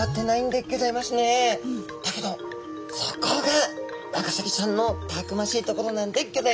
だけどそこがワカサギちゃんのたくましいところなんでギョざいます。